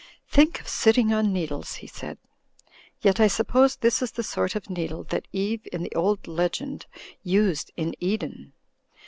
"Think of sitting on needles!'* he said. "Yet, I suppose this is the sort of needle that Eve, in the old legend, used in Eden.